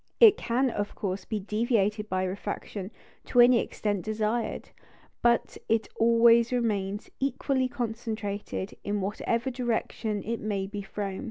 It can, of course, be deviated by refraction to any extent desired; but it always remains equally concentrated, in whatever direction it may be thrown.